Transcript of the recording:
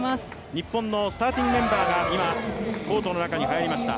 日本のスターティングメンバーが今、コートの中に入りました。